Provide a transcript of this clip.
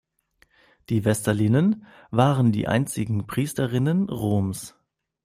Die Vestalinnen waren die einzigen Priesterinnen Roms.